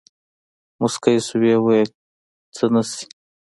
موسکى سو ويې ويل سه نيشتې.